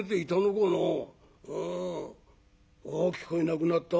んあっ聞こえなくなった。